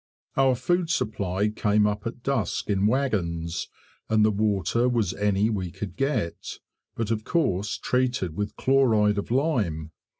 Our food supply came up at dusk in wagons, and the water was any we could get, but of course treated with chloride of lime.